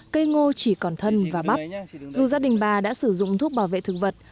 cây ngô chỉ còn thân và bắp dù gia đình bà đã sử dụng thuốc bảo vệ thực vật